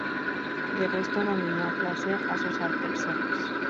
De resto, dominó a placer a sus adversarios.